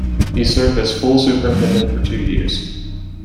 He served as full Superintendent for two years.